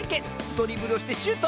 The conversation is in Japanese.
ドリブルをしてシュート！